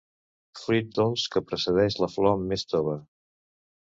Fruit dolç que precedeix la flor més tova.